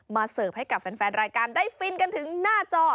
เสิร์ฟให้กับแฟนรายการได้ฟินกันถึงหน้าจอ